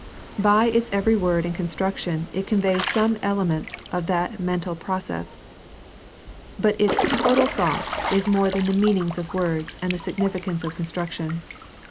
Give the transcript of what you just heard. By its every word and construction it conveys some elements of that mental process. But its total thought is more than the meanings of words and the significance of construction.